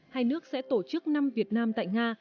hai nước sẽ tổ chức năm việt nam tại nga